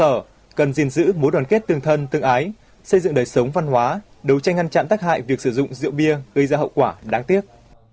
và chính quyền cơ sở cần giữ mối đoàn kết tương thân tương ái xây dựng đời sống văn hóa đấu tranh ngăn chặn tác hại việc sử dụng rượu bia gây ra hậu quả đáng tiếc